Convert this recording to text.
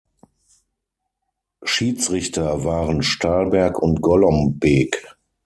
Schiedsrichter waren Stahlberg und Golombek.